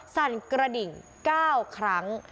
สั่นกระดิ่ง๙ครั้ง